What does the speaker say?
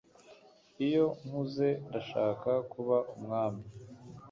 Iyo nkuze ndashaka kuba umwami